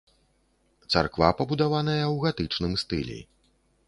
Царква пабудаваная ў гатычным стылі.